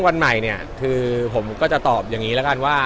วันใหม่เนี่ยคือผมก็จะตอบอย่างนี้แล้วกันว่า